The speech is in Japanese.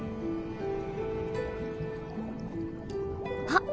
あ！